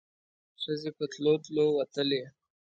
ښځې په تلو تلو وتلې.